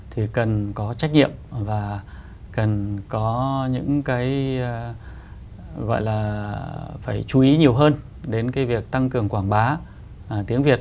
thì cần có trách nhiệm và cần có những cái gọi là phải chú ý nhiều hơn đến cái việc tăng cường quảng bá tiếng việt